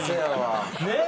ねえ！